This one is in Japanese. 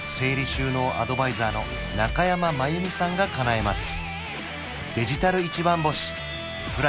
収納アドバイザーの中山真由美さんがかなえます